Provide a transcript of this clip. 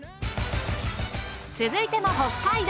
続いても北海道。